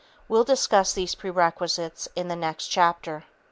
We'll discuss these prerequisites in the next chapter.